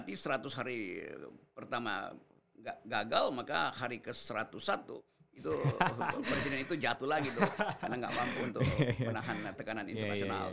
jadi itu berarti seratus hari pertama gagal maka hari ke satu ratus satu itu presiden itu jatuh lagi karena gak mampu untuk menahan tekanan internasional